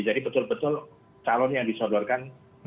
jadi betul betul calon yang disodorkan